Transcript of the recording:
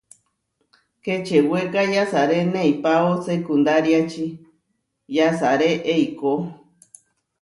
Kečewéka yasaré neipáo sekundáriači, yasaré eikó.